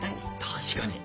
確かに。